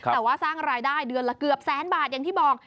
แต่ว่าสร้างรายได้เดือนละเกือบแสนบาทอย่างที่บอก